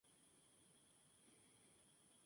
Tiene una hermana menor, Becca.